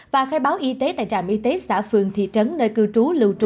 và khai báo y tế tại trạm y tế xã phường thị trấn nơi cư trú lưu trú